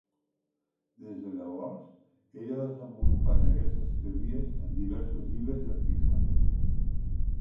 Des de llavors, ell ha desenvolupat aquestes teories en diversos llibres i articles.